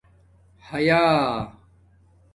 حَیا